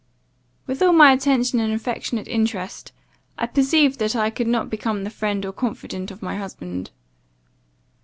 "With all my attention and affectionate interest, I perceived that I could not become the friend or confident of my husband.